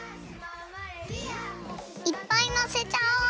いっぱいのせちゃお！